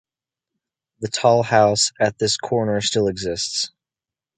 The toll house at this corner still exists.